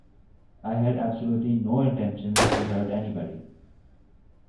I had absolutely no intentions to hurt anybody.